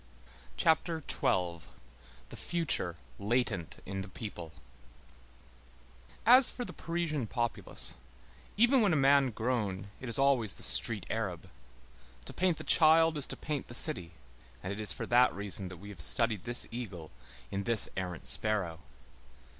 CHAPTER XII—THE FUTURE LATENT IN THE PEOPLE As for the Parisian populace, even when a man grown, it is always the street Arab; to paint the child is to paint the city; and it is for that reason that we have studied this eagle in this arrant sparrow.